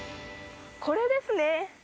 これですね。